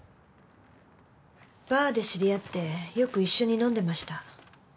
バーで知り合ってよく一緒に飲んでました。